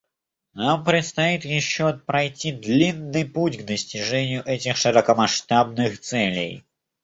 Нам предстоит еще пройти длинный путь к достижению этих широкомасштабных целей.